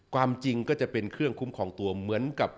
ความจริงก็จะเป็นเครื่องคุ้มครองตัวเหมือนกับ